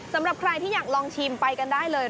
สำหรับใครที่อยากลองชิมไปกันได้เลย